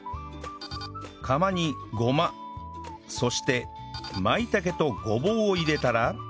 釜にごまそしてまいたけとごぼうを入れたら